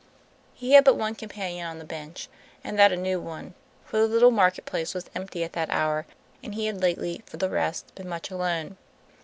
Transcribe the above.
He had but one companion on the bench, and that a new one, for the little market place was empty at that hour, and he had lately, for the rest, been much alone.